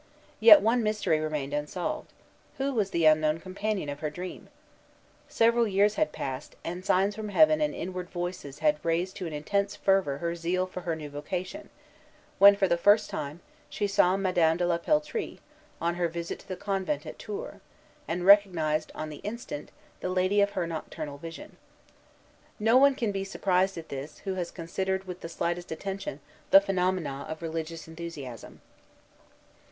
Yet one mystery remained unsolved. Who was the unknown companion of her dream? Several years had passed, and signs from heaven and inward voices had raised to an intense fervor her zeal for her new vocation, when, for the first time, she saw Madame de la Peltrie on her visit to the convent at Tours, and recognized, on the instant, the lady of her nocturnal vision. No one can be surprised at this who has considered with the slightest attention the phenomena of religious enthusiasm.